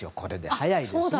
早いですね。